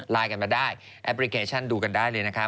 กันมาได้แอปพลิเคชันดูกันได้เลยนะคะ